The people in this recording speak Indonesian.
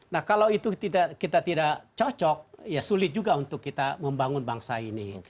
nah kalau itu kita tidak cocok ya sulit juga untuk kita membangun bangsa ini